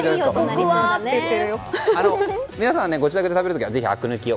皆さん、ご自宅で食べる時はぜひ、あく抜きを。